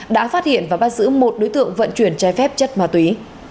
đã phát hiện và bắt giữ một đối tượng vận chuyển trái phép chất ma túy